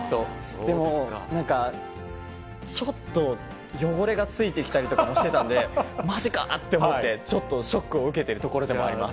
でもなんか、ちょっと、汚れがついてきたりとかもしてたんで、まじかって思って、ちょっと、ショックを受けているところでもあります。